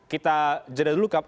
kita jadilah dulu kap